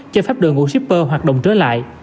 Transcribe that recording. cho pháp đường ngũ shipper hoạt động trở lại